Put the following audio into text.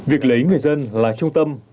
việc lấy người dân là trung tâm